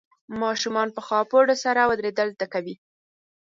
ماشومان په خاپوړو سره ودرېدل زده کوي.